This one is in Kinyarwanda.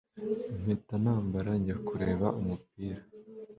mpita nambara njya kureba umupira